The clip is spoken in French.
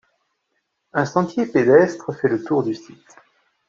Un sentier pédestre fait le tour du site.